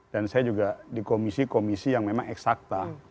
dan saya juga di komisi komisi yang memang eksakta